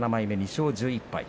２勝１１敗。